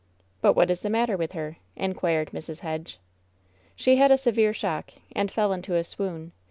"But what is the matter with her?" inquired Mrs, Hedge. "She had a severe shock, and fell into a swoon.